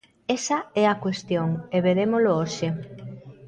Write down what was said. Esa é a cuestión e verémolo hoxe.